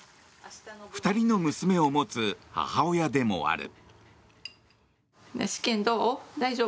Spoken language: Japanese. ２人の娘を持つ母親でもある。